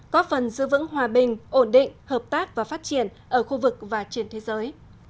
có phần giữ vững hòa bình ổn định hợp tác và phát triển ở khu vực và trên thế giới